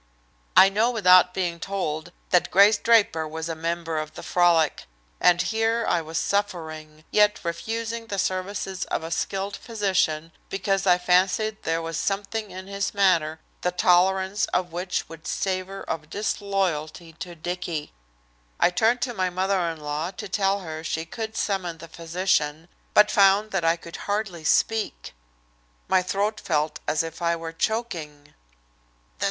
I know without being told that Grace Draper was a member of the frolic. And here I was suffering, yet refusing the services of a skilled physician because I fancied there was something in his manner the tolerance of which would savor of disloyalty to Dicky! I turned to my mother in law to tell her she could summon the physician, but found that I could hardly speak. My throat felt as if I were choking.